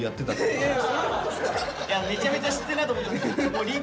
いやめちゃめちゃ知ってるなと思ってたんですよ。